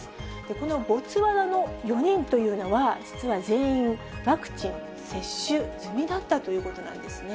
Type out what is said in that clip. このボツワナの４人というのは、実は全員、ワクチン接種済みだったということなんですね。